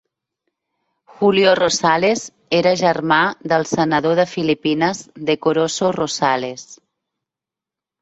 Julio Rosales era germà del senador de Filipines Decoroso Rosales.